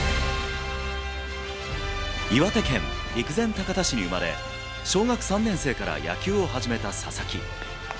岩手県陸前高田市に生まれ、小学３年生から野球を始めた佐々木。